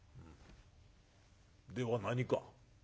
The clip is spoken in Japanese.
「では何か？